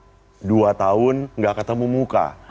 setelah dua tahun gak ketemu muka